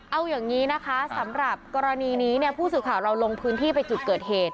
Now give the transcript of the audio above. เอาอย่างนี้นะคะสำหรับกรณีนี้เนี่ยผู้สื่อข่าวเราลงพื้นที่ไปจุดเกิดเหตุ